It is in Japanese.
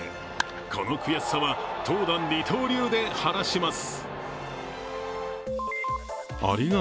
この悔しさは投打二刀流で晴らします。